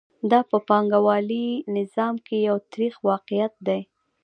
دا په پانګوالي نظام کې یو تریخ واقعیت دی